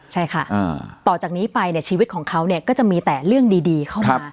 ใช่ค่ะต่อจากนี้ไปเนี่ยชีวิตของเขาก็จะมีแต่เรื่องดีเข้ามา